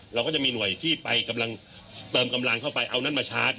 เราก็จะมีหน่วยที่ไปกำลังเติมกำลังเข้าไปเอานั้นมาชาร์จ